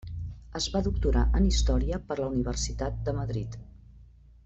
Es va doctorar en Història per la Universitat de Madrid.